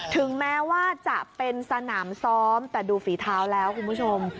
ถึงแม้ว่าจะเป็นสนามซ้อมแต่ดูฝีเท้าแล้วคุณผู้ชม